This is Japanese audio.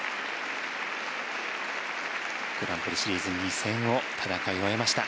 グランプリシリーズ２戦を戦い終えました。